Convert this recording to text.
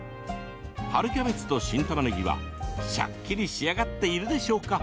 春キャベツと新たまねぎはシャッキリ仕上がっているでしょうか？